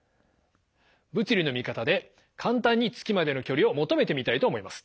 物理のミカタで簡単に月までの距離を求めてみたいと思います。